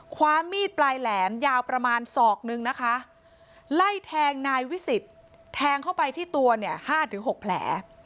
ความมีดปลายแหลมยาวประมาณศอกนึงนะคะไล่แทงนายวิสิทธิ์แทงเข้าไปที่ตัวเนี่ย๕๖แผล